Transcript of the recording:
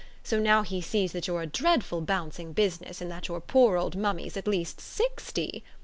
So now he sees that you're a dreadful bouncing business and that your poor old Mummy's at least sixty!"